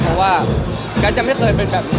เพราะว่ากัยจะมีเคยเป็นแบบนึง